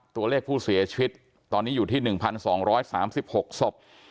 ตัวเลขผู้เสียชีวิตตอนนี้อยู่ที่หนึ่งพันสองร้อยสามสิบหกศพ